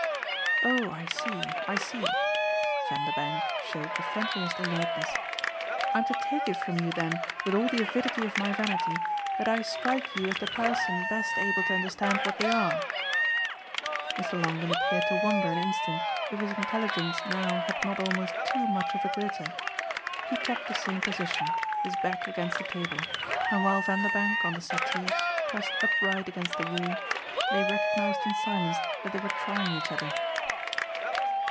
"Oh I see, I see," Vanderbank showed the friendliest alertness. "I'm to take it from you then, with all the avidity of my vanity, that I strike you as the person best able to understand what they are." Mr. Longdon appeared to wonder an instant if his intelligence now had not almost too much of a glitter: he kept the same position, his back against the table, and while Vanderbank, on the settee, pressed upright against the wall, they recognised in silence that they were trying each other.